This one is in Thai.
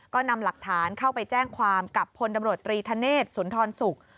ก็นำหลักฐานเข้าไปแจ้งความกับพลตำรวจตรีธเนศสุนทรศุกร์